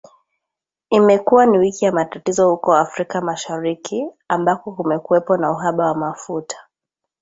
Imekuwa ni wiki ya matatizo huko Afrika Mashariki, ambako kumekuwepo na uhaba wa mafuta